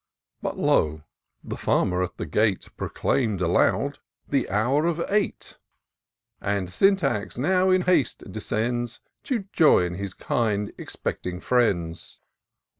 But lo ! the Farmer, at the gate, Proclaim'd aloud, the hour of eight ; And Syntax now in haste descends. To join his kind, expecting friends.